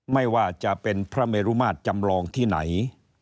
ไม่ว่าจะเป็นพระเมรุมาตรจำลองที่ไหน